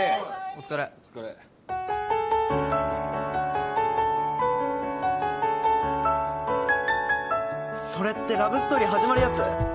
お疲れお疲れそれってラブストーリー始まるやつ？